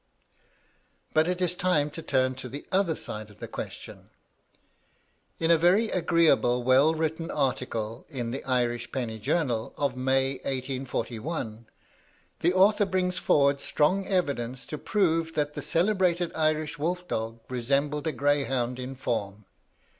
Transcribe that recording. But it is time to turn to the other side of the question. In a very agreeable, well written article in the "Irish Penny Journal" of May, 1841, the author brings forward strong evidence to prove that the celebrated Irish wolf dog resembled a greyhound in form.